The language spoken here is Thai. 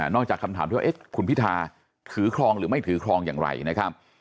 จากคำถามที่ว่าคุณพิธาถือครองหรือไม่ถือครองอย่างไรนะครับ